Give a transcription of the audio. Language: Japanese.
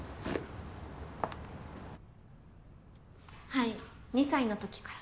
はい２歳のときから。